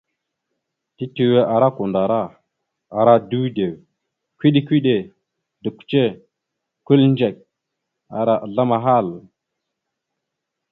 Tetʉwe ara kwandara, ara dʉdew, kʉɗe-kʉɗe, dʉkʉce, kʉlindzek, ara azzlam ahal.